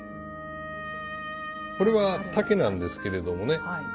これは竹なんですけれどもね